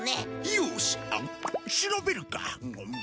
よし調べるか。